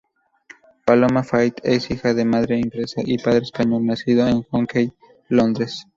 Paloma Faith es hija de madre inglesa y padre español nacido en Hackney, Londres.